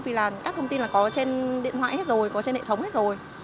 vì là các thông tin là có trên điện thoại hết rồi có trên hệ thống hết rồi